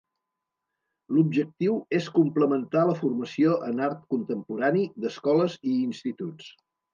L'objectiu és complementar la formació en art contemporani d’escoles i instituts.